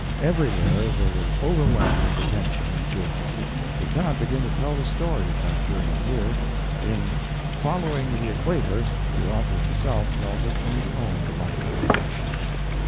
Everywhere they were overwhelmed with attention and gifts. We cannot begin to tell the story of that journey here. In "Following the Equator" the author himself tells it in his own delightful fashion.